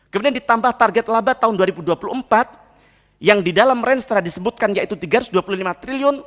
kemudian ditambah target laba tahun dua ribu dua puluh empat yang di dalam range setelah disebutkan yaitu rp tiga ratus dua puluh lima triliun